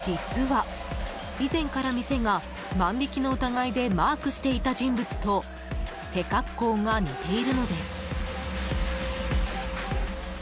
実は、以前から店が万引きの疑いでマークしていた人物と背格好が似ているのです。